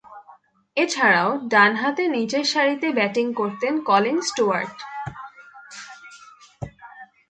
এছাড়াও, ডানহাতে নিচেরসারিতে ব্যাটিং করতেন কলিন স্টুয়ার্ট।